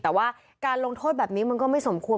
แต่ว่าการลงโทษแบบนี้มันก็ไม่สมควร